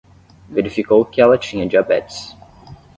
Verificou que ela tinha diabetes